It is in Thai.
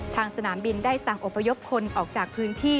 สนามบินได้สั่งอพยพคนออกจากพื้นที่